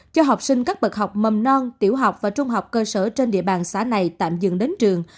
cho học sinh các bậc học mầm non tiểu học và trung học cơ sở trên địa bàn xã này tạm dừng đến trường